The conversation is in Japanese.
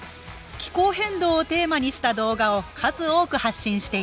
気候変動をテーマにした動画を数多く発信しています